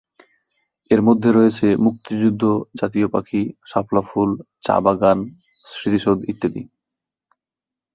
এর মধ্যে রয়েছে মুক্তিযুদ্ধ, জাতীয় পাখি, শাপলা ফুল, চা বাগান, স্মৃতিসৌধ ইত্যাদি।